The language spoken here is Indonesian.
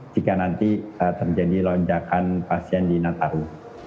jika nanti terjadi lonjakan pasien di nataru